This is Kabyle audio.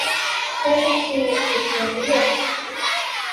Arut-iyi-d tikwal, yak?